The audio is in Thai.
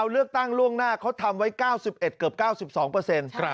เลือกตั้งล่วงหน้าเขาทำไว้๙๑เกือบ๙๒เปอร์เซ็นต์